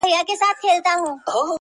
شپې مو په کلونو د رڼا په هیله ستړي کړې -